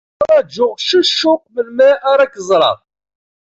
Ttṛajuɣ s ccuq melmi ara k-ẓreɣ.